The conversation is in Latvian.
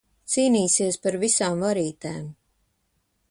Cīnīsies par visām varītēm.